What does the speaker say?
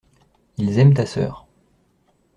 Ils aiment ta sœur.